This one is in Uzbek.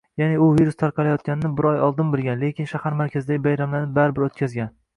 Yaʼni u virus tarqalayotganini bir oy oldin bilgan, lekin shahar markazidagi bayramlarni baribir oʻtkazgan